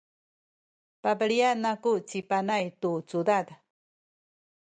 pabelian aku ci Panay tu cudad.